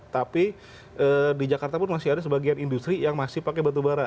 tapi di jakarta pun masih ada sebagian industri yang masih pakai batubara